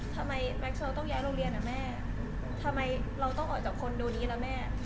แบ็คโชลต้องย้ายโรงเรียนอ่ะแม่ทำไมเราต้องออกจากคอนโดนี้ล่ะแม่